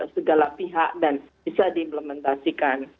segala pihak dan bisa diimplementasikan